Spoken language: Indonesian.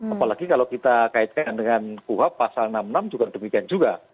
apalagi kalau kita kaitkan dengan kuhab pasal enam puluh enam juga demikian juga